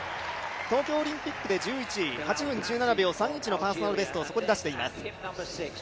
東京オリンピックで１１位パーソナルベストをそこに出しています。